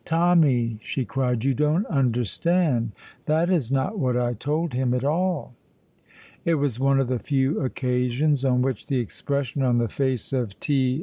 "Tommy," she cried, "you don't understand. That is not what I told him at all!" It was one of the few occasions on which the expression on the face of T.